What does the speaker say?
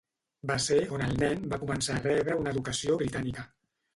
Va ser on el nen va començar a rebre una educació britànica.